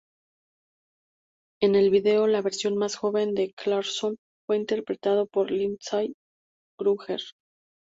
En el video, la versión más joven de Clarkson fue interpretado por Lindsay Kruger.